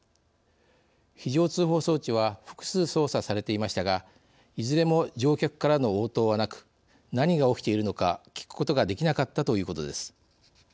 非常通報装置は複数操作されていましたがいずれも乗客からの応答はなく何が起きているのか聞くことができなかったということです。